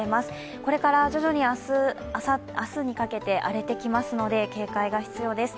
これから徐々に明日にかけて荒れてきますので警戒が必要です。